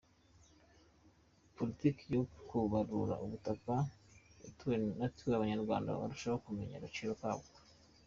Politiki yo kubarura ubutaka yatumye Abanyarwanda barushaho kumenya agaciro kabwo.